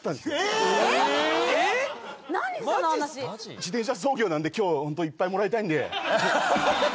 自転車操業なんで今日ホントいっぱいもらいたいんで。